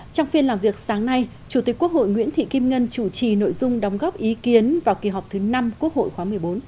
trong phiên làm việc sáng nay chủ tịch quốc hội nguyễn thị kim ngân chủ trì nội dung đóng góp ý kiến vào kỳ họp thứ năm quốc hội khóa một mươi bốn